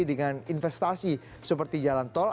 dengan investasi seperti jalan tol